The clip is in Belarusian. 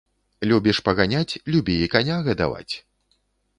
Любіш паганяць, любі і каня гадаваць